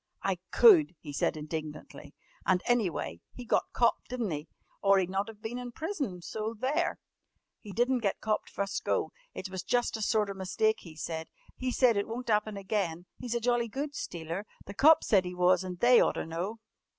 "I could!" he said indignantly. "And, any way, he got copped di'n't he? or he'd not of been in prison, so there!" "He di'n't get copped fust go. It was jus' a sorter mistake, he said. He said it wun't happen again. He's a jolly good stealer. The cops said he was and they oughter know."